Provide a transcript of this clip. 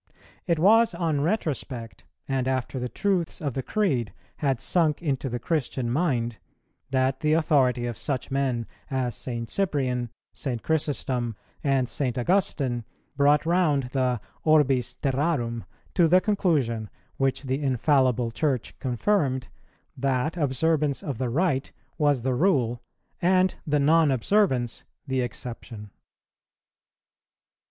It was on retrospect and after the truths of the Creed had sunk into the Christian mind, that the authority of such men as St. Cyprian, St. Chrysostom, and St. Augustine brought round the orbis terrarum to the conclusion, which the infallible Church confirmed, that observance of the rite was the rule, and the non observance the exception.